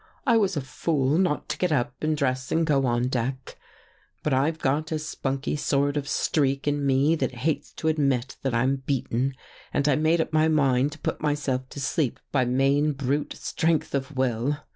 " I was a fool not to get up and dress and go on deck. But I've got a spunky sort of streak in me that hates to admit that I'm beaten and I made up my mind to put myself to sleep by main brute strength of will.